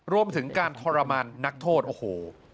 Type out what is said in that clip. รวมถึงการทรมานนักโทษโอ้โห